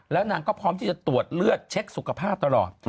แล้วนางก็พร้อมที่จะตรวจเลือดเช็คสุขภาพตลอด